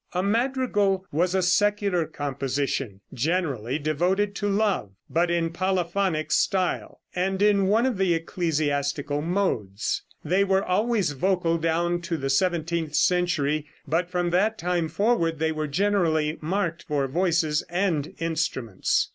A madrigal was a secular composition, generally devoted to love, but in polyphonic style, and in one of the ecclesiastical modes. They were always vocal down to the seventeenth century, but from that time forward they were generally marked for voices and instruments.